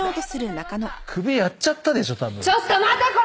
首やっちゃったでしょたぶん。